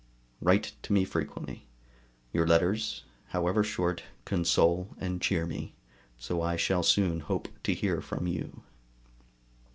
Write to me frequently; your letters, however short, console and cheer me; so I shall soon hope to hear from you.